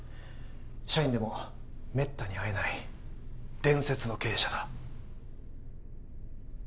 社員でもめったに会えない伝説の経営者だ。